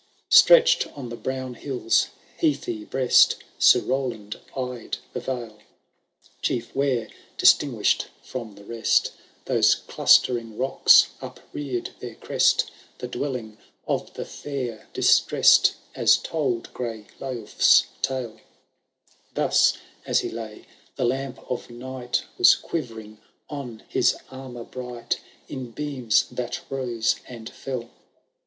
Stretched on the brown hill^s heathy breast. Sir Roland eyed the vale ; Chief where, distinguish^ from the rest, Those clustering rocks uprear^d their crest. The dwelling of the fair distressed, As told gray Lyulph*8 tale. Thus as he lay, the lamp of night Was quivering on his armour bright. In beams that rose and fell.